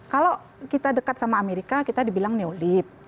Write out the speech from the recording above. kalau kita dekat sama amerika kita dibilang neolib